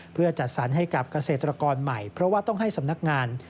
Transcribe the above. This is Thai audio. เพื่อจัดสรรให้กับเกษตรกรใหม่เพราะว่าต้องให้สำนักงาน